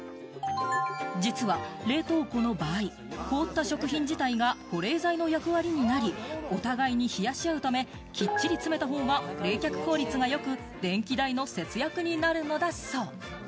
実は、冷凍庫の場合、凍った食品が保冷剤の役割になり、お互いに冷やし合うため、きっちり詰めた方が冷却効率がよく、電気代の節約になるのだそう。